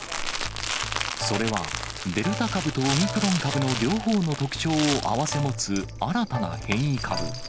それは、デルタ株とオミクロン株の両方の特徴を併せ持つ、新たな変異株。